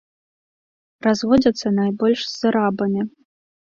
Разводзяцца найбольш з арабамі.